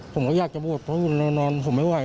ผมก็อยากจะบวชเพราะเรานอนผมไม่ไหว